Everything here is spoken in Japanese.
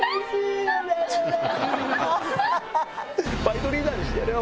バイトリーダーにしてやるよ！